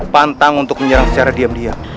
pantang untuk menyerang secara diam diam